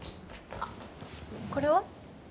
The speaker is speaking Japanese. あっこれ？